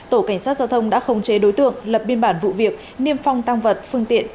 tổ cảnh sát giao thông đã khống chế đối tượng lập biên bản vụ việc niêm phong tăng vật phương tiện